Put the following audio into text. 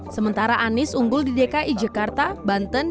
sementara anies unggul di dki jakarta banten